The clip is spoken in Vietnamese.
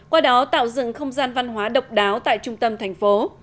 qua đó tạo dựng không gian văn hóa độc đáo tại trung tâm thành phố